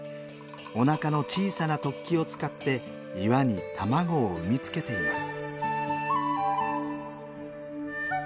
おなかの小さな突起を使って岩に卵を産みつけています。